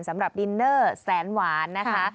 สำหรับดินเนอร์แสนหวานนะคะ